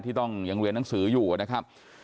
ที่ต้องยังเรียนหนังสืออยู่นะครับ